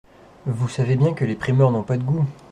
Vous savez bien que les primeurs n’ont pas de goût…